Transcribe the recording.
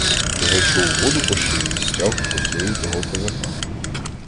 Та зайшов у воду по шию й стяв косою того козака.